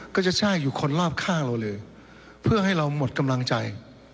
ก็จะแช่อยู่คนรอบข้างเราเลยเพื่อให้เราหมดกำลังใจ